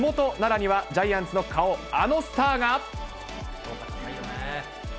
地元奈良には、ジャイアンツの顔、あのスターが。